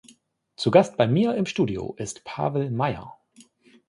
Zu Gast bei mir im Studio ist Pavel Mayer.